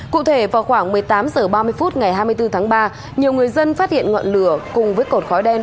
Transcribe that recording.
cụ thể vào khoảng một mươi tám h ba mươi phút ngày hai mươi bốn tháng ba nhiều người dân phát hiện ngọn lửa cùng với cột khói đen